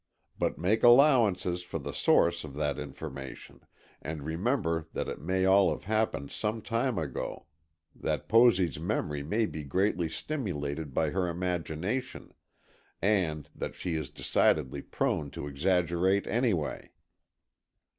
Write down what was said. But make allowances for the source of that information and remember that it may all have happened some time ago, that Posy's memory may be greatly stimulated by her imagination, and that she is decidedly prone to exaggerate, anyway."